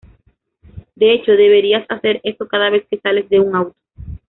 De hecho, deberías hacer eso cada vez que sales de un auto.